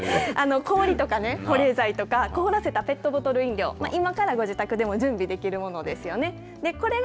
氷とかね保冷剤とか凍らせたペットボトル飲料今からご自宅でも準備できるものですよね。